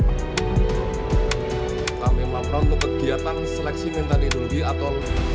pemimpin pembangunan untuk kegiatan seleksi mental ideologi atau